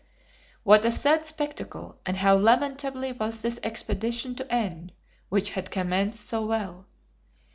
What a sad spectacle, and how lamentably was this expedition to end which had commenced so well.